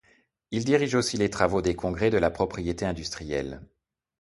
Il dirige aussi les travaux des congrès de la propriété industrielle.